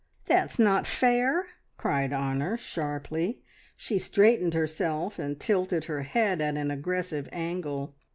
"That's not fair!" cried Honor sharply. She straightened herself and tilted her head at an aggressive angle.